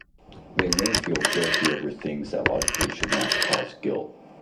They may feel guilty over things that logically should not cause guilt.